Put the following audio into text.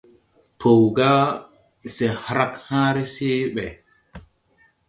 Pow ga se hrag hããre se ɓɛ.